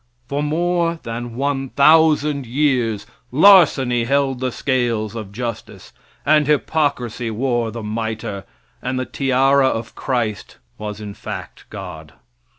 For more than one thousand years larceny held the scales of justice, and hypocrisy wore the mitre, and the tiara of Christ was in fact God.